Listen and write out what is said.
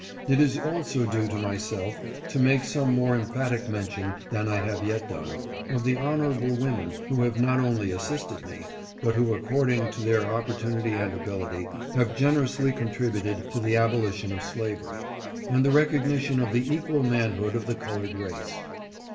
It is also due to myself, to make some more emphatic mention than I have yet done, of the honorable women, 570 WONDERFUL POWER OF LUCRETIA MOTT. who have not only assisted me, but who according to their opportunity and ability, have generously contributed to the abolition of slavery, and the recognition of the equal manhood of the colored race.